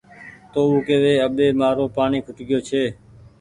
تو او ڪيوي اٻي مآرو پآڻيٚ کٽگيو ڇي